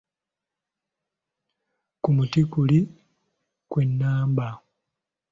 Ku muti guli kwe ŋŋamba.